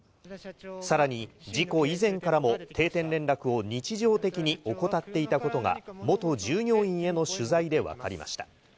さらに、事故以前からも定点連絡を日常的に怠っていたことが、元従業員への取材で分かりました。